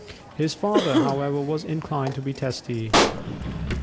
His father, however, was inclined to be testy.